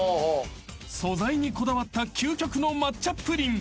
［素材にこだわった究極の抹茶プリン